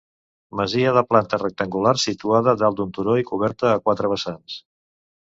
Masia de planta rectangular situada dalt d'un turó i coberta a quatre vessants.